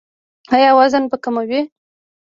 ایا وزن به کموئ؟